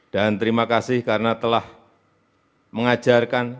dan terima kasih karena telah mengajarkan